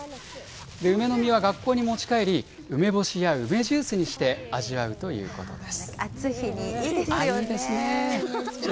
梅の実は学校に持ち帰り、梅干しや梅ジュースにして味わうということです。